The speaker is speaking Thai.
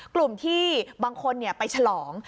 กลุ่มที่บางคนไปฉลอง